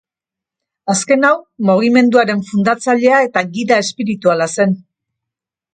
Azken hau, mugimenduaren fundatzailea eta gida espirituala zen.